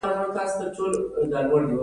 دا کاپي د اجرااتو د اثبات لپاره ده.